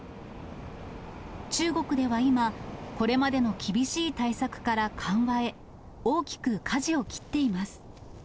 中国では今、これまでの厳しい対策から緩和へ、大きくかじを切っています。